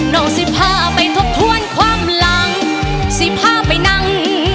สิพาไปทบทวนความหลังสิพาไปนั่ง